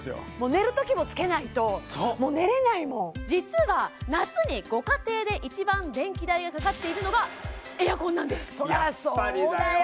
寝るときもつけないともう寝れないもん実は夏にご家庭で一番電気代がかかっているのがエアコンなんですそらそうだよ